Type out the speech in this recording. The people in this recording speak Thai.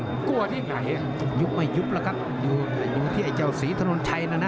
ยกไม่ยุบมายุบแล้วครับอยู่ที่ไอ้เจาะศรีตนนทรายนน่ะนะ